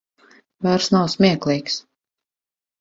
Vairs nav smieklīgs.